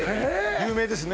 有名ですね